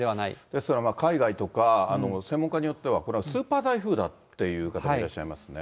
ですから、海外とか、専門家によっては、これはスーパー台風だっていう方もいらっしゃいますね。